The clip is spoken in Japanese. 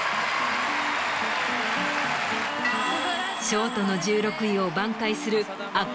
ショートの１６位を挽回する。